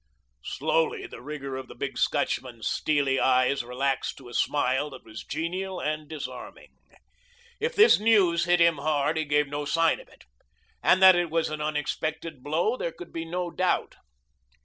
Slowly the rigor of the big Scotchman's steely eyes relaxed to a smile that was genial and disarming. If this news hit him hard he gave no sign of it. And that it was an unexpected blow there could be no doubt.